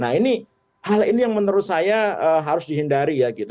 nah ini hal ini yang menurut saya harus dihindari ya gitu